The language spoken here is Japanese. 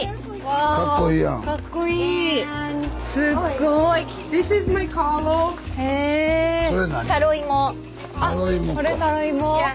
あっこれタロイモ？